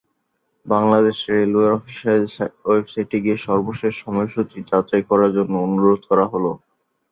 বাংলাদেশ রেলওয়ের অফিসিয়াল ওয়েবসাইটে গিয়ে সর্বশেষ সময়সূচী যাচাই করার জন্য অনুরোধ করা হলো।